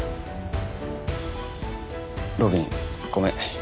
路敏ごめん。